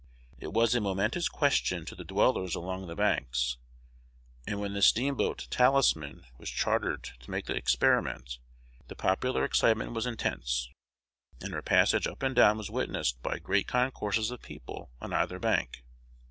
It was a momentous question to the dwellers along the banks; and, when the steamboat "Talisman" was chartered to make the experiment, the popular excitement was intense, and her passage up and down was witnessed by great concourses of people on either bank.